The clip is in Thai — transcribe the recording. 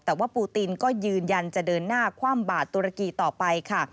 แต่ว่าปูตินก็ยืนยันจะเดินหน้าคว่ำบาดตุรกีต่อไปค่ะ